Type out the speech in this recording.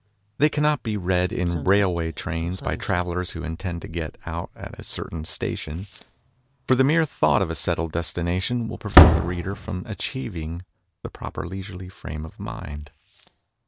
They cannot be read in railway trains by travellers who intend to get out at a certain station, for the mere thought of a settled destination will prevent the reader from achieving the proper leisurely frame of mind.